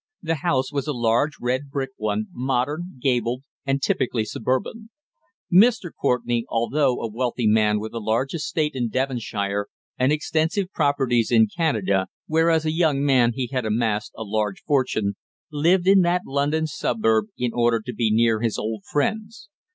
The house was a large red brick one, modern, gabled, and typically suburban. Mr. Courtenay, although a wealthy man with a large estate in Devonshire and extensive properties in Canada, where as a young man he had amassed a large fortune, lived in that London suburb in order to be near his old friends.